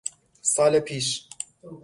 سال پیش